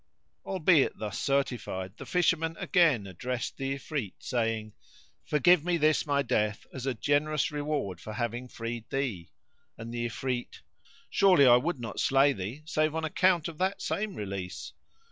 Albeit thus certified the Fisherman again addressed the Ifrit saying, "Forgive me this my death as a generous reward for having freed thee;" and the Ifrit, "Surely I would not slay thee save on account of that same release."